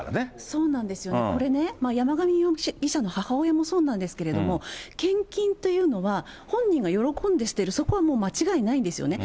そうなんですよね、これね、山上容疑者の母親もそうなんですけれども、献金というのは、本人が喜んでしてる、そこはもう間違いないんですよね。